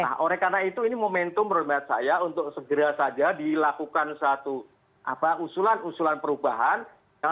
nah oleh karena itu ini momentum menurut saya untuk segera saja dilakukan satu usulan usulan perubahan